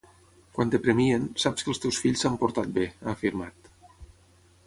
“Quan et premien, saps que els teus fills s’han portat bé”, ha afirmat.